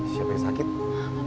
ke hasan sadikin